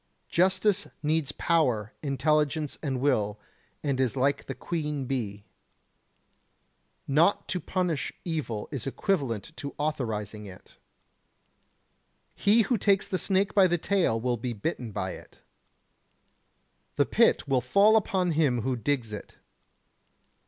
Justice needs power, intelligence and will, and is like the Queen Bee. Not to punish evil is equivalent to authorizing it. He who takes the snake by the tail will be bitten by it. The pit will fall in upon him who digs it.